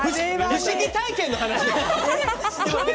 不思議体験の話？